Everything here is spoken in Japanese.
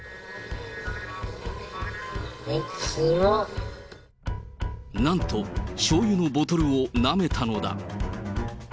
えっ、なんと、しょうゆのボトルをなめたのだ。